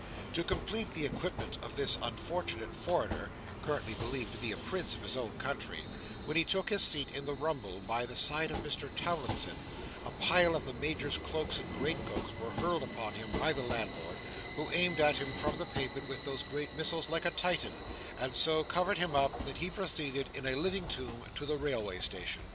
To complete the equipment of this unfortunate foreigner (currently believed to be a prince in his own country), when he took his seat in the rumble by the side of Mr Towlinson, a pile of the Major's cloaks and great coats was hurled upon him by the landlord, who aimed at him from the pavement with those great missiles like a Titan, and so covered him up, that he proceeded, in a living tomb, to the railroad station.